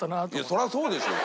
そりゃそうでしょうよ